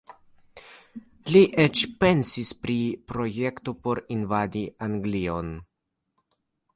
Li eĉ pensis pri projekto por invadi Anglion.